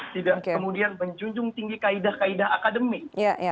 tidak kemudian menjunjung tinggi kaidah kaidah akademik